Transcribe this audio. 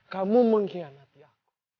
kamu mengkhianati aku